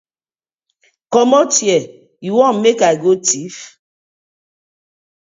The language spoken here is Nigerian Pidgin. Comot here yu won mek I go thief?